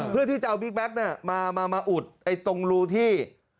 เพื่อที่จะเอาบิ๊กแบ็คนั้นมาอุดไอ้ตรงรูที่